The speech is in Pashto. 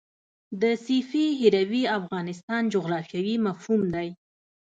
د سیفي هروي افغانستان جغرافیاوي مفهوم دی.